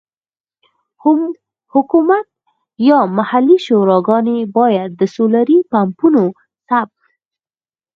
حکومت یا محلي شوراګانې باید د سولري پمپونو ثبت.